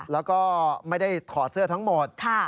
แล้วก็ไม่ได้ถอดเสื้อทั้งหมด